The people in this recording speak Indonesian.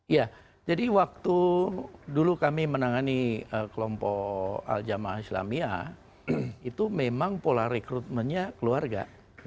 ya jadi waktu dulu kami menangani kelompok al jamaah islamia itu memang pola rekrutmennya keluarga